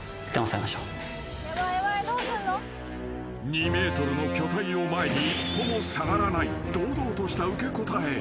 ［２ｍの巨体を前に一歩も下がらない堂々とした受け答え］